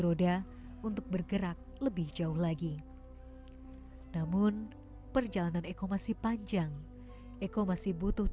roda untuk bergerak lebih jauh lagi namun perjalanan ekomasi panjang ekomasi butuh